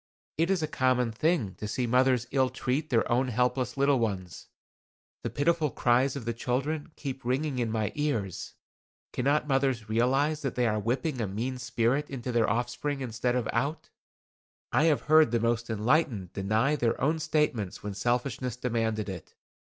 It is a common thing to see mothers ill treat their own helpless little ones. The pitiful cries of the children keep ringing in my ears. Cannot mothers realize that they are whipping a mean spirit into their offspring instead of out. I have heard the most enlightened deny their own statements when selfishness demanded it.